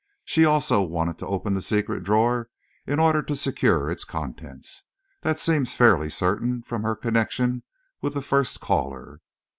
She, also, wanted to open the secret drawer, in order to secure its contents that seems fairly certain from her connection with the first caller."